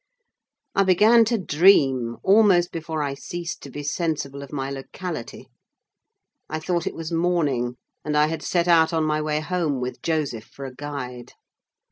I began to dream, almost before I ceased to be sensible of my locality. I thought it was morning; and I had set out on my way home, with Joseph for a guide.